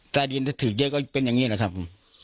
ใต้ดินถ้าถือเยอะก็เป็นอย่างนี้แหละครับผม